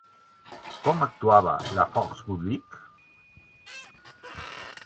Com actuava la Force Publique?